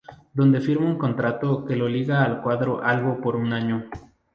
Donde firma un contrato que lo liga al cuadro albo por un año.